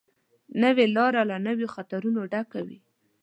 نوې لاره له نویو خطرونو ډکه وي